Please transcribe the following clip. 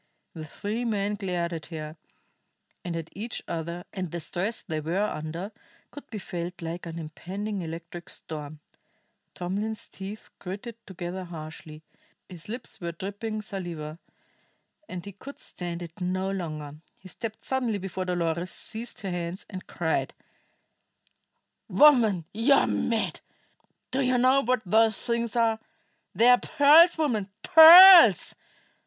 The three men glared at her, and at each other, and the stress they were under could be felt like an impending electric storm. Tomlin's teeth gritted together harshly, his lips were dripping saliva, and he could stand it no longer. He stepped suddenly before Dolores, seized her hands, and cried: "Woman, you are mad! Do you know what those things are? They are pearls, woman, pearls!